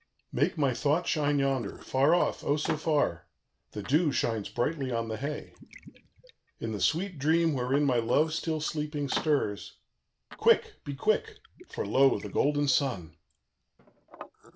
"Make my thought shine yonder far off, O so far! The dew shines brightly on the hay "In the sweet dream wherein my love still sleeping stirs Quick! be quick! for, lo, the golden sun!"